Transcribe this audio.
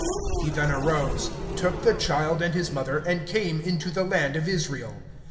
(21)And he arose, and took the child and his mother, and came into the land of Israel.